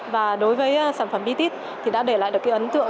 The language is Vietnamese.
và đối với sản phẩm biti thì đã để lại được cái ấn tượng